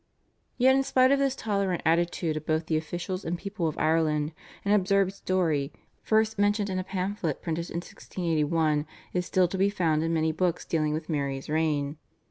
" Yet in spite of this tolerant attitude of both the officials and people of Ireland an absurd story, first mentioned in a pamphlet printed in 1681, is still to be found in many books dealing with Mary's reign.